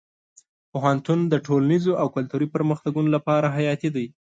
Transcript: پوهنتون د ټولنیزو او کلتوري پرمختګونو لپاره حیاتي دی.